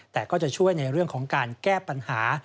แต่ก็จะช่วยในเรื่องของการแก้ปัญหา